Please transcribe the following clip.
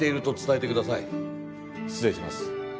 失礼します。